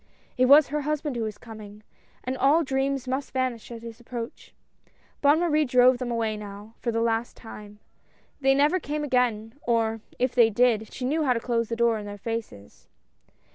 It was her husband who was coming — and all dreams must vanish at his approach. Bonne Marie drove them away now for the last time. They never came again, or, if they did, she knew how to close the door in their faces.